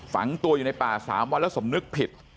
ฝังตัวอยู่ในป่า๓วันแล้วสมนึกผิด